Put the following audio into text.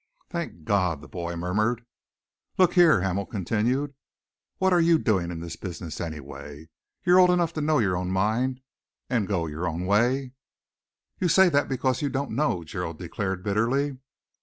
"Thank God!" the boy murmured. "Look here," Hamel continued, "what are you doing in this business, anyway? You are old enough to know your own mind and to go your own way." "You say that because you don't know," Gerald declared bitterly.